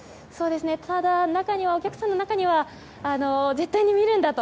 ただ、お客さんの中には絶対に見るんだ！